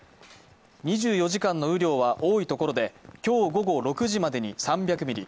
２４時間の雨量は多いところで今日午後６時までに３００ミリ。